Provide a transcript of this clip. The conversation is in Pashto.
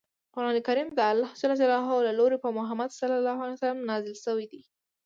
قران کریم د الله ج له لورې په محمد ص نازل شوی دی.